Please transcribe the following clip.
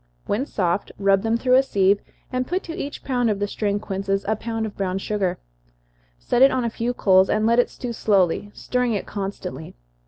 When soft, rub them through a sieve, and put to each pound of the strained quinces a pound of brown sugar. Set it on a few coals, and let it stew slowly, stirring it constantly.